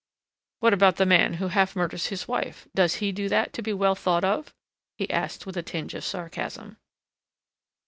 "What about the man who half murders his wife, does he do that to be well thought of?" he asked, with a tinge of sarcasm.